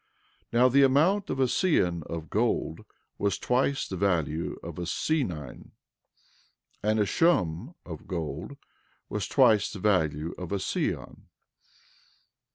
11:8 Now the amount of a seon of gold was twice the value of a senine. 11:9 And a shum of gold was twice the value of a seon.